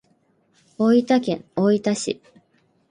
大分県大分市